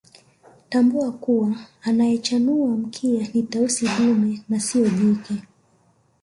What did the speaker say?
Tambua kuwa anayechanua mkia ni Tausi dume na siyo jike